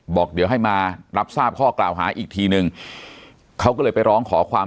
บอกเดี๋ยวให้มารับทราบข้อกล่าวหาอีกทีนึงเขาก็เลยไปร้องขอความ